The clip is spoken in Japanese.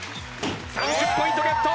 ３０ポイントゲット。